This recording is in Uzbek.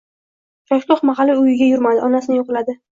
Choshgoh mahali u uyga yurmadi − onasini yo‘qladi